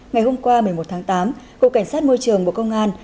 ngày hôm qua một mươi một tháng tám cục cảnh sát môi trường bộ công an